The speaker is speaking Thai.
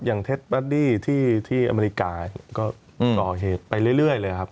อย่างเทสต์บาร์ดี้ที่อเมริกาก็ก่อเหตุไปเรื่อยเลยครับ